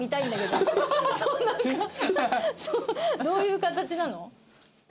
どういう形なの？